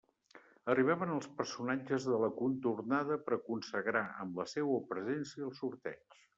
Arribaven els personatges de la contornada per a consagrar amb la seua presència el sorteig.